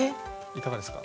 いかがですか？